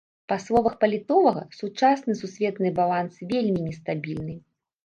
Па словах палітолага, сучасны сусветны баланс вельмі нестабільны.